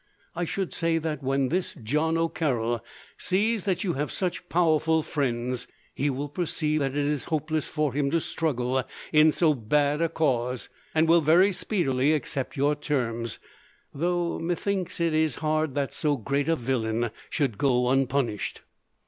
I should say that, when this John O'Carroll sees that you have such powerful friends, he will perceive that it is hopeless for him to struggle in so bad a cause, and will very speedily accept your terms, though methinks it is hard that so great a villain should go unpunished.